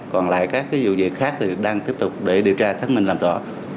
còn lại các vụ việc khác thì đang tiếp tục để điều tra xác minh làm rõ